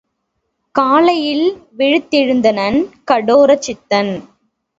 காலையில் விழித் தெழுந்தனன் கடோரசித்தன்.